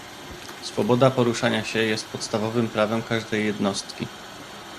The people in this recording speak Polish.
Swoboda poruszania się jest podstawowym prawem każdej jednostki